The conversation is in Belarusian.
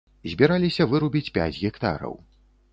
Збіраліся вырубіць пяць гектараў.